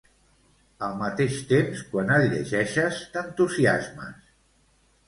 Al mateix temps quan el llegeixes t'entusiasmes.